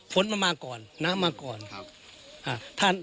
พร้อมมาก่อนน้ำมาก่อน